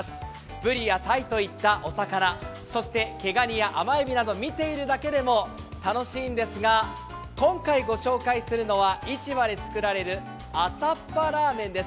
ぶりやたいといったお魚そして毛がにや甘えびなど見ているだけでも楽しいんですが今回ご紹介するのは市場で作られる、あさっぱラーメンです。